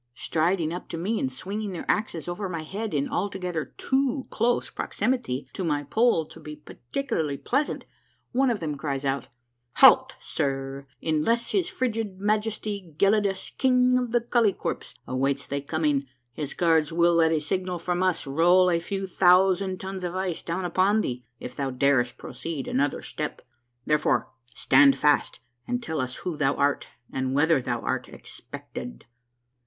Striding up to me and swinging their axes over my head in altogether too close proximity to my poll to be particularly pleasant, one of them cries out, —" Halt, sir ! Unless his frigid Majesty Gelidus, King of the Koltykwerps, awaits thy coming, his guards will, at a signal from us, roll a few thousand tons of ice down upon thee if thou darest proceed another step. Therefore, stand fast and tell us who thou art and whether thou art expected."